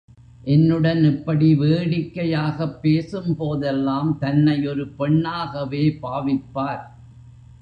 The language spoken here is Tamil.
என்னுடன் இப்படி வேடிக்கையாகப் பேசும்போதெல்லாம் தன்னை ஒரு பெண்ணாகவே பாவிப்பார்.